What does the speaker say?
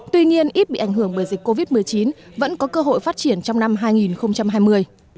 tuy nhiên ít bị ảnh hưởng bởi dịch covid một mươi chín vẫn có cơ hội phát triển trong năm hai nghìn hai mươi